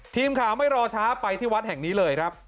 ทีมข่าวไม่รอช้าไปที่วัดแห่งนี้เลยครับ